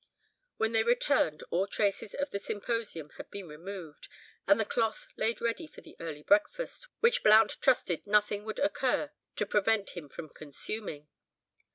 When they returned all traces of the symposium had been removed, and the cloth laid ready for the early breakfast, which Blount trusted nothing would occur to prevent him from consuming.